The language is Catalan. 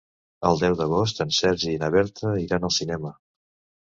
El deu d'agost en Sergi i na Berta iran al cinema.